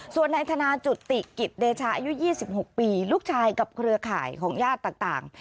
ส่วนนายธนาจุติกิจเดชาอายุ๒๖ปีลูกชายกับเครือข่ายของญาติต่าง